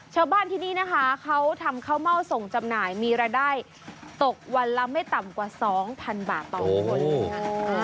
ชาวบ้านที่นี่นะคะเขาทำข้าวเม่าส่งจำหน่ายมีรายได้ตกวันละไม่ต่ำกว่า๒๐๐๐บาทต่อคนนะคะ